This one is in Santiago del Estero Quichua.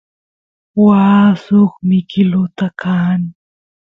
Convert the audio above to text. waa suk mikiluta qaan